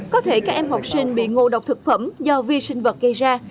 có thể các em học sinh bị ngộ độc thực phẩm do vi sinh vật gây ra